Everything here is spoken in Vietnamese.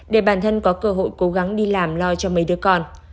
để bản thân có cơ hội cố gắng đi làm lo cho mấy đứa con